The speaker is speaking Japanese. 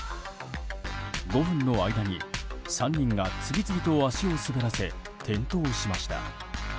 ５分の間に３人が次々と足を滑らせ転倒しました。